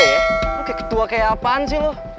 lo kayak ketua kayak apaan sih lo